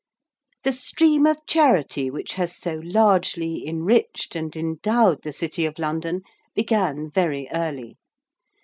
The stream of charity which has so largely enriched and endowed the City of London began very early.